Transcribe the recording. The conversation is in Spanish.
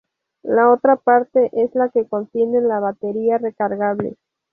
La otra parte es la que contiene la batería recargable.